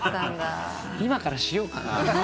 今からしようかな？